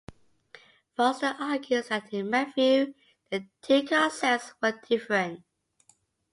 Foster argues that to Matthew the two concepts were different.